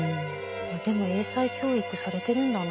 でも英才教育されてるんだな。